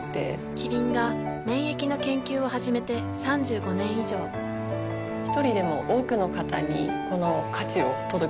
キリンが免疫の研究を始めて３５年以上一人でも多くの方にこの価値を届けていきたいと思っています。